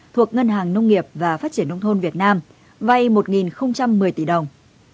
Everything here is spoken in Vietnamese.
thuộc ngân hàng nông nghiệp và phát triển nông thôn việt nam vay một một mươi tỷ đồng